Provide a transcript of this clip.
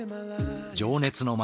情熱の街